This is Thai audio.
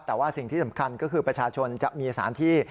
แต่ว่าสิ่งที่สำคัญก็คือประชาชนจะมีสารที่